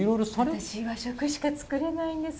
私和食しか作れないんです。